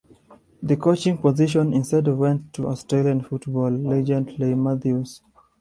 The coaching position instead went to Australian football legend Leigh Matthews.